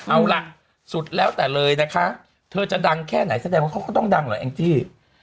เอาล่ะสุดแล้วแต่เลยนะคะเธอจะดังแค่ไหนแสดงว่าเขาก็ต้องดังเหรอแองจี้